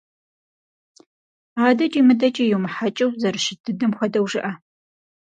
АдэкӀи мыдэкӀи йумыхьэкӀыу, зэрыщыт дыдэм хуэдэу жыӏэ.